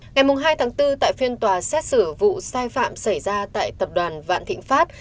ngày hai tháng bốn tại phiên tòa xét xử vụ sai phạm xảy ra tại tập đoàn vạn thịnh pháp